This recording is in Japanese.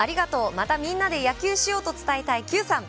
またみんなで野球しようと伝えたいきゅうさん。